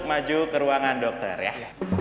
masuda itu yah